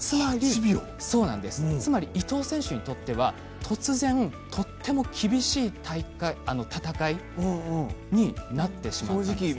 つまり、伊藤選手にとっては突然、とっても厳しい戦いになってしまったんです。